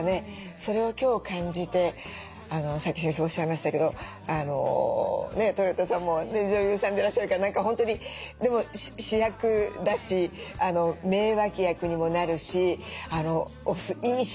それを今日感じてさっき先生おっしゃいましたけどとよたさんも女優さんでいらっしゃるから何か本当にでも主役だし名脇役にもなるしお酢いい仕事されるなって。